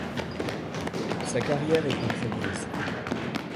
Sa carrière est compromise.